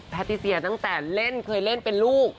แพทิเซียตั้งแต่เคยเล่นเป็นลูก